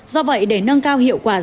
do vậy để nâng cao hiệu quả giáo dục quyền